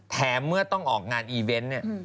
เมื่อต้องออกงานอีเวนต์เนี่ย